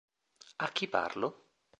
A chi parlo?